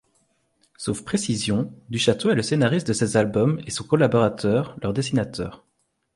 Sauf précision, Duchâteau est le scénariste de ces albums et son collaborateur leur dessinateur.